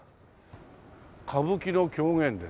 歌舞伎の狂言です。